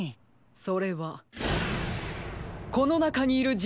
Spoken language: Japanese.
それはこのなかにいるじんぶつです。